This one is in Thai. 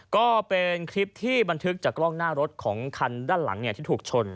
ก็เป็นคลิปที่บันทึกจากกล้องหน้ารถของคันด้านหลังที่ถูกชน